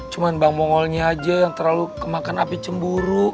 cuman bang mongolnya aja yang terlalu kemakan api cemburu